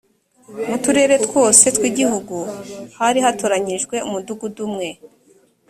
mu turere twose tw igihugu hari hatoranyijwe umudugudu umwe